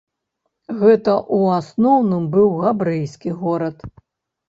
Гэта ў асноўным быў габрэйскі горад.